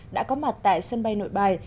đã có mặt tại sân bay nội bài